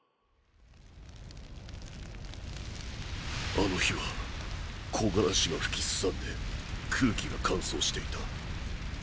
あの日は木枯らしが吹き荒んで空気が乾燥していた。